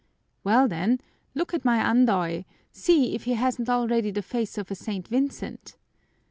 Well then, look at my Andoy, see if he hasn't already the face of a St. Vincent!"